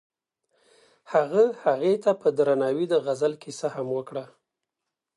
هغه هغې ته په درناوي د غزل کیسه هم وکړه.